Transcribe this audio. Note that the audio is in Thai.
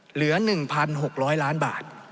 เหลือ๑๖๐๐ล้านบาท